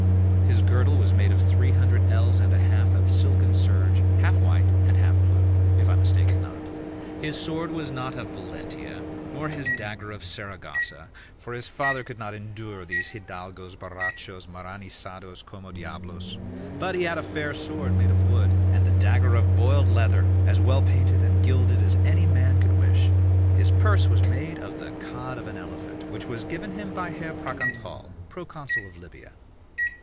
His girdle was made of three hundred ells and a half of silken serge, half white and half blue, if I mistake it not. His sword was not of Valentia, nor his dagger of Saragossa, for his father could not endure these hidalgos borrachos maranisados como diablos: but he had a fair sword made of wood, and the dagger of boiled leather, as well painted and gilded as any man could wish. His purse was made of the cod of an elephant, which was given him by Herr Pracontal, proconsul of Lybia.